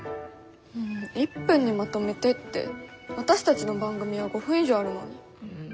１分にまとめてって私たちの番組は５分以上あるのに。